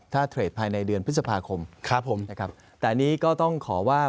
ถ้าเทรดภายในเดือนพฤษภาคมแต่อันนี้ก็ต้องขอว่า